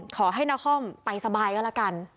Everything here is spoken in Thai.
ขอให้นาคอมไปสบายแล้วละกัน